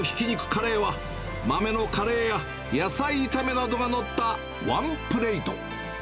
カレーは、豆のカレーや、野菜炒めなどが載ったワンプレート。